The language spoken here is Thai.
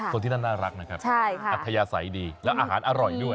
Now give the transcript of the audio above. คนที่นั่นน่ารักนะครับอัธยาศัยดีแล้วอาหารอร่อยด้วย